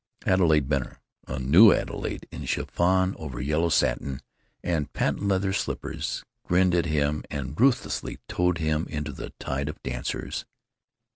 Adelaide Benner—a new Adelaide, in chiffon over yellow satin, and patent leather slippers—grinned at him and ruthlessly towed him into the tide of dancers.